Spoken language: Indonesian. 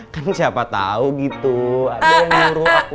kan siapa tahu gitu ada yang nyuruh aku